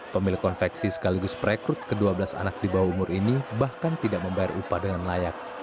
pemilik konveksi sekaligus perekrut ke dua belas anak di bawah umur ini bahkan tidak membayar upah dengan layak